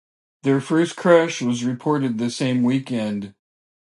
Their first crash was reported the same weekend.